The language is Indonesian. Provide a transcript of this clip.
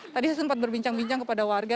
tadi saya sempat berbincang bincang kepada warga